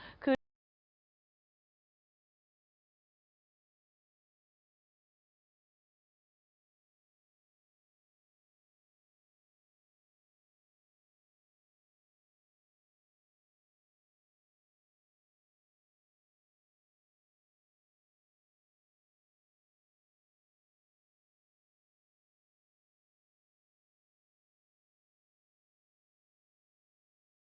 โอเคโอเคโอเค